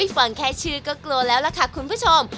ฟังแค่ชื่อก็กลัวแล้วล่ะค่ะคุณผู้ชม